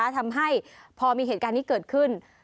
ทำให้พอมีเหตุการณ์นี้เกิดขึ้น